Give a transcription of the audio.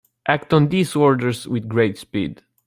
Act on these orders with great speed.